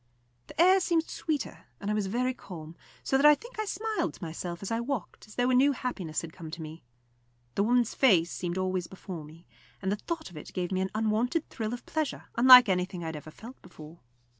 The air seemed sweeter, and I was very calm, so that I think I smiled to myself as I walked, as though a new happiness had come to me. The woman's face seemed always before me, and the thought of it gave me an unwonted thrill of pleasure, unlike anything I had ever felt before.